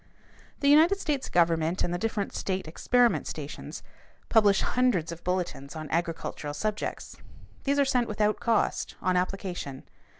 The United States government and the different state experiment stations publish hundreds of bulletins on agricultural subjects. These are sent without cost, on application.